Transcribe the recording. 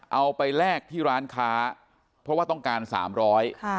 เอาไปแลกที่ร้านค้าเพราะว่าต้องการสามร้อยค่ะ